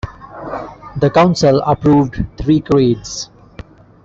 The council approved three creeds.